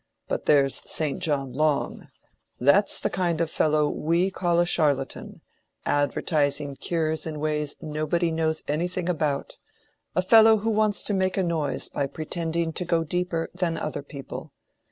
But there's St. John Long—that's the kind of fellow we call a charlatan, advertising cures in ways nobody knows anything about: a fellow who wants to make a noise by pretending to go deeper than other people.